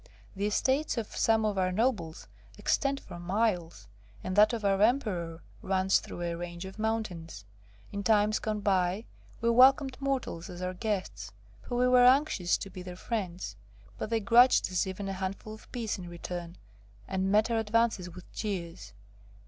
The estates of some of our nobles extend for miles, and that of our Emperor runs through a range of mountains. In times gone by we welcomed mortals as our guests, for we were anxious to be their friends. But they grudged us even a handful of peas in return, and met our advances with jeers.